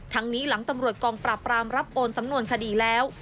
นี้หลังตำรวจกองปราบรามรับโอนสำนวนคดีแล้ว